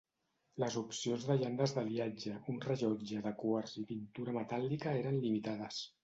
Les opcions de llandes d'aliatge, un rellotge de quars i pintura metàl·lica eren limitades.